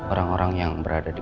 orang orang yang berada di